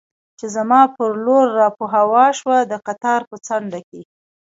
چې زما پر لور را په هوا شو، د قطار په څنډه کې.